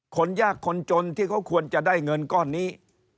คนยากคนจนที่เขาควรจะได้เงินก้อนนี้